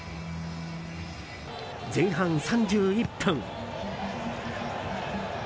前半３１分。